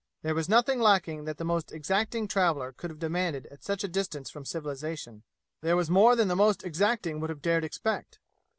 There was nothing lacking that the most exacting traveler could have demanded at such a distance from civilization. There was more than the most exacting would have dared expect.